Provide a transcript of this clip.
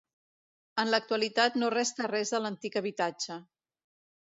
En l'actualitat no resta res de l'antic habitatge.